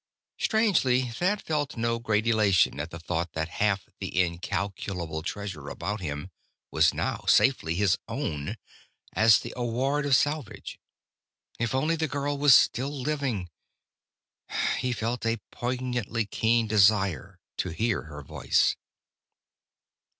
Strangely, Thad felt no great elation at the thought that half the incalculable treasure about him was now safely his own, as the award of salvage. If only the girl were still living.... He felt a poignantly keen desire to hear her voice.